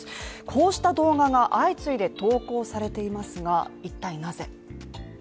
こうした動画が相次いで投稿されていますが、一体なぜ。